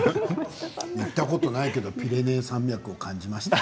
行ったことないけれどピレネー山脈を感じました。